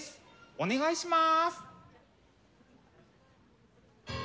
お願いします！